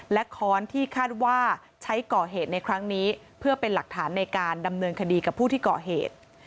และค้อนที่คาดว่าใช้ก่อเหตุในครั้งนี้เพื่อเป็นหลักฐานในการดำเนินคดีกับผู้ที่ก่อเหตุ